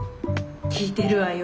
聞いてるわよ